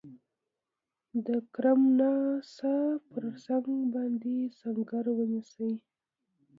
د کرم ناسا پر څنګ باندي سنګر ونیسي.